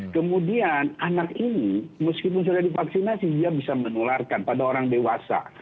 kemudian anak ini meskipun sudah divaksinasi dia bisa menularkan pada orang dewasa